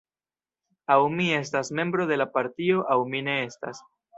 Aŭ mi estas membro de la partio aŭ mi ne estas.